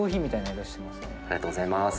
ありがとうございます。